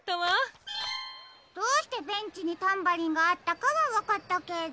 どうしてベンチにタンバリンがあったかはわかったけど。